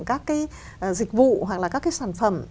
các cái dịch vụ hoặc là các cái sản phẩm